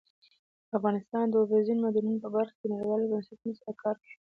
افغانستان د اوبزین معدنونه په برخه کې نړیوالو بنسټونو سره کار کوي.